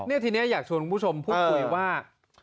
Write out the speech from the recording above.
นี่ทีนี้อยากชวนคุณผู้ชมพูดคุยว่า